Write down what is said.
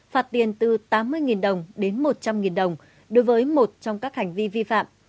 phạt tiền từ tám mươi đồng đến một trăm linh đồng đối với một trong các hành vi vi phạm